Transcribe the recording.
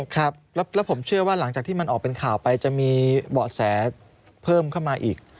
ครับแล้วผมเชื่อว่าหลังจากที่มันออกเป็นข่าวไปจะมีเบาะแสเพิ่มเข้ามาอีก